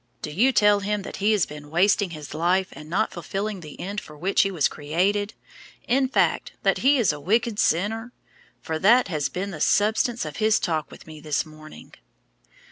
Do you tell him that he has been wasting his life and not fulfilling the end for which he was created, in fact, that he is a wicked sinner? For that has been the substance of his talk with me this morning!"